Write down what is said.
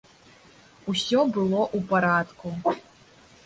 Усё было ў парадку.